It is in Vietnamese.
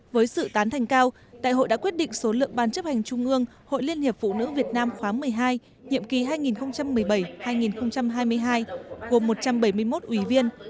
với sự tán thành cao đại hội đã quyết định số lượng ban chấp hành trung ương hội liên hiệp phụ nữ việt nam khóa một mươi hai nhiệm kỳ hai nghìn một mươi bảy hai nghìn hai mươi hai gồm một trăm bảy mươi một ủy viên